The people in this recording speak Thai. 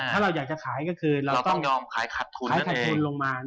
ถ้าเราอยากจะขายก็คือเราต้องยอมขายขัดทุนลงมา